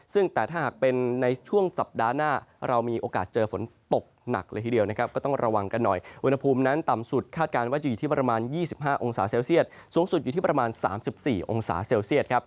สูงสุดอยู่ที่ประมาณ๓๔องศาเซลเซียต